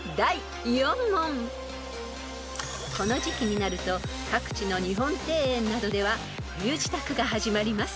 ［この時季になると各地の日本庭園などでは冬支度が始まります］